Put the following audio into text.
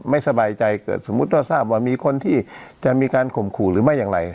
ไม่สบายใจเกิดสมมุติว่าทราบว่ามีคนที่จะมีการข่มขู่หรือไม่อย่างไร